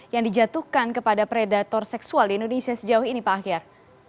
yang dijatuhkan kepada predator seksual di indonesia sejauh ini pak ahyar